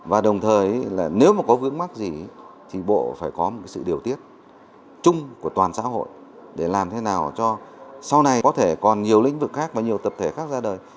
và đồng thời là nếu mà có vướng mắc gì thì bộ phải có một sự điều tiết chung của toàn xã hội để làm thế nào cho sau này có thể còn nhiều lĩnh vực khác và nhiều tập thể khác ra đời